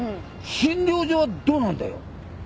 診療所はどうなんだよ？